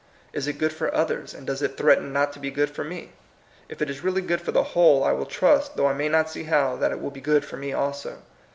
Is it good for others, and does it threaten not to be good for me ? If it is really good for the whole, I will trust, though I may not see^how, that it will be good for me also.